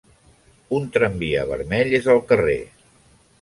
Un tramvia vermell és al carrer.